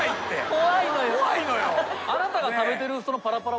怖いのよ。